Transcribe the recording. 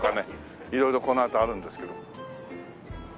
色々このあとあるんですけど。